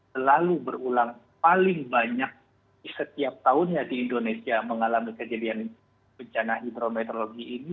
selalu berulang paling banyak setiap tahunnya di indonesia mengalami kejadian bencana hidrometeorologi ini